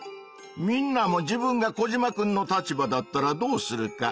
みんなも自分がコジマくんの立場だったらどうするか。